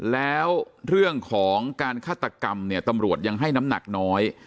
แล้วเรื่องของการฆาตกรรมเนี่ยตำรวจยังให้น้ำหนักน้อย